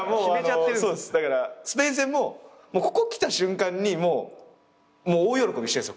だからスペイン戦もここ来た瞬間に大喜びしてるんです